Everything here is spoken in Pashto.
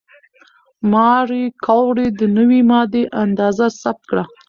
ماري کوري د نوې ماده اندازه ثبت کړه.